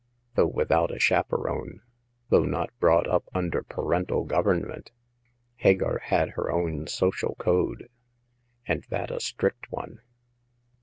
Though without a chaperon, though not brought up under parental government, Hagar had her own social code, and that a strict one.